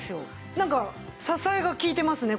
なんか支えが利いてますね